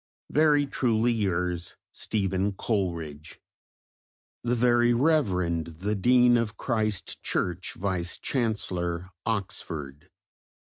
Very truly yours, STEPHEN COLERIDGE. THE VERY REV. THE DEAN OF CHRIST CHURCH, VICE CHANCELLOR, OXFORD.